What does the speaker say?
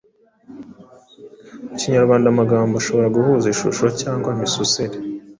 Mu kinyarwanda amagambo ashobora guhuza ishusho cyangwa imisusire,